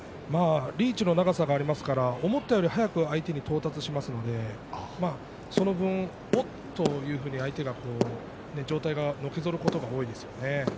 リーチの長さがありますから思ったより速く相手に到達しますからその分もっと相手の上体がのけぞることが多いですね。